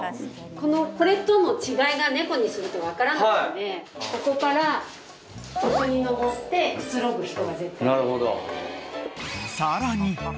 これとの違いが猫にすると分からないのでここからここに登ってくつろぐ人が。